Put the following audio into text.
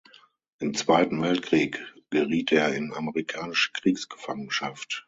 Im Zweiten Weltkrieg geriet er in amerikanische Kriegsgefangenschaft.